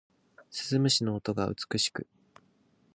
鈴虫の音が美しく